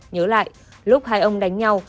nhớ lại lúc hai ông đánh nhau